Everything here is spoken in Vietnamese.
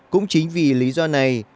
cũng chính vì lý do này